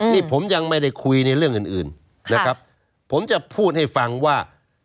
นี่ผมยังไม่ได้คุยในเรื่องอื่นนะครับผมจะพูดให้ฟังว่า